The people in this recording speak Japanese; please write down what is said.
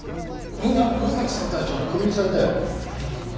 みんな奥崎センター長にクビにされたよ。